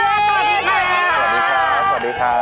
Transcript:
สวัสดีค่ะ